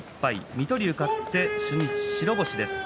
水戸龍勝って初日白星です。